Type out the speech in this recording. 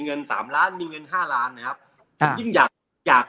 เงินสามล้านมีเงินห้าล้านนะครับยิ่งอยากอยาก